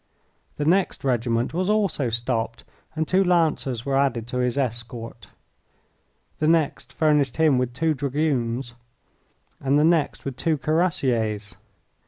The next regiment was also stopped, and two Lancers were added to his escort. The next furnished him with two Dragoons and the next with two Cuirassiers.